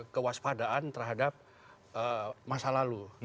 kewaspadaan terhadap masa lalu